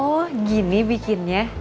oh gini bikinnya